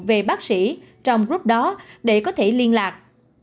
về bác sĩ trong group đó để có thể liên lạc